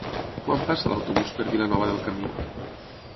Quan passa l'autobús per Vilanova del Camí?